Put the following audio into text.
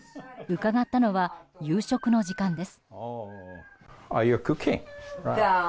伺ったのは夕食の時間です。